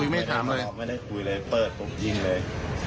ไม่ได้คุยเลยเปิดปุ๊บยิงเลย